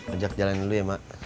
ajak jalan dulu ya mak